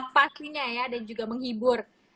pastinya ya dan juga menghibur